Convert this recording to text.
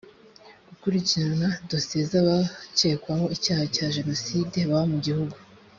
gukurikirana dosiye z’abakekwaho icyaha cya jenoside baba mu gihugu